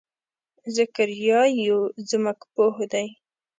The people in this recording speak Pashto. ذکریا یو ځمکپوه دی.